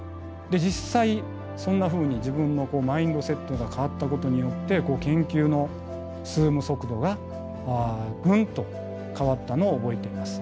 実際そんなふうに自分のマインドセットが変わったことによって研究の進む速度がグンと変わったのを覚えています。